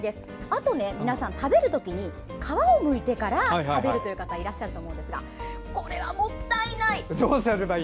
あと、皆さん食べるときに皮をむいてから食べるという方がいらっしゃるかと思うんですがこれはもったいない！